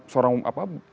seorang novel baswedan